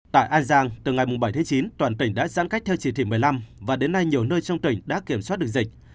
tại an giang từ ngày bảy tháng chín toàn tỉnh đã giãn cách theo chỉ thị một mươi năm và đến nay nhiều nơi trong tỉnh đã kiểm soát được dịch